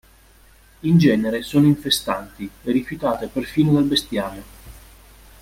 In genere sono infestanti e rifiutate perfino dal bestiame.